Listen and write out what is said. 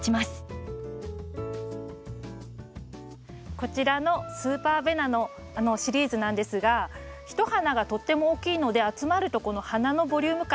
こちらのスーパーベナのシリーズなんですがひと花がとっても大きいので集まるとこの花のボリューム感